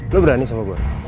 lo berani sama gue